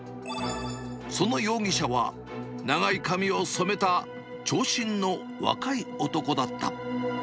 その容疑者は、長い髪を染めた長身の若い男だった。